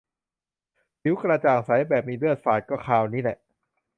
ผิวกระจ่างใสแบบมีเลือดฝาดก็คราวนี้แหละ